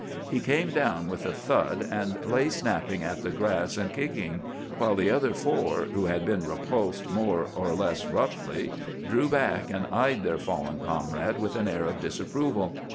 He came down with a thud, and lay snapping at the grass and kicking; while the other four, who had been repulsed more or less roughly, drew back and eyed their fallen comrade with an air of disapproval.